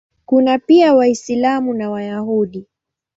Kuna pia Waislamu na Wayahudi.